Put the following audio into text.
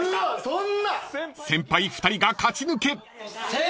［先輩２人が勝ち抜け］